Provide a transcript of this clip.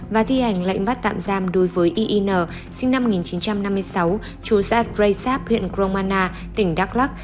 và thi hành lệnh bắt tạm giam đối với yin sinh năm một nghìn chín trăm năm mươi sáu chú zadreysab huyện gromana tỉnh đắk lắc